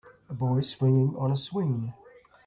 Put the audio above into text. a boy swinging on a swing.